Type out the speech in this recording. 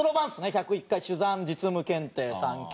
１０１回珠算実務検定３級。